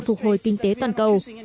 phục hồi kinh tế toàn cầu